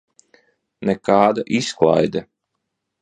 Nekāda izklaide!